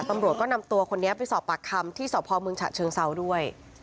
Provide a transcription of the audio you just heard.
ตำรวจก็นำตัวคนนี้ไปสอบปากคำที่สพเมืองฉะเชิงเซาด้วย